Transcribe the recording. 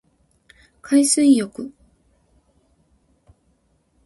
海水浴